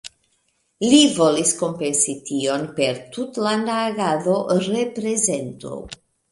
Li volis kompensi tion per tutlanda agado, reprezento.